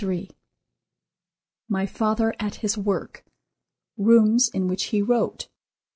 My father at his work.—Rooms in which he wrote.